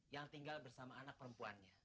yang tinggal bersama anak perempuannya